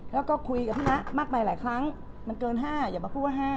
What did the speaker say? แล้วก็คุยกับคณะมากมายหลายครั้งมันเกิน๕อย่ามาพูดว่า๕